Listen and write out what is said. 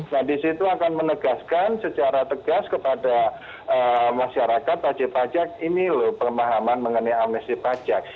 nah disitu akan menegaskan secara tegas kepada masyarakat wajib pajak ini loh pemahaman mengenai amnesti pajak